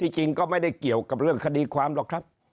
จริงก็ไม่ได้เกี่ยวกับเรื่องคดีความหรอกครับ